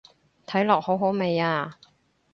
睇落好好味啊